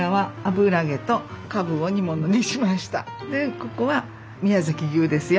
ここは宮崎牛ですよ。